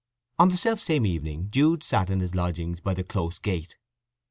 On the self same evening Jude sat in his lodgings by the Close Gate.